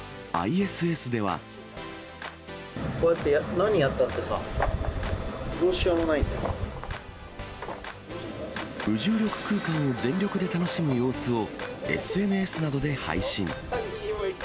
何やったってさ、どうしよう無重力空間を全力で楽しむ様子をＳＮＳなどで配信。